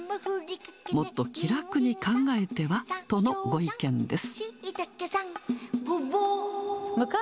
もっと気楽に考えてはとのご意見です。